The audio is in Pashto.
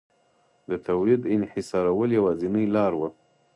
د تولید انحصارول یوازینۍ لار وه